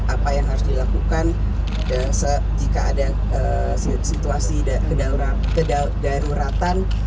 apa yang harus dilakukan jika ada situasi kedaruratan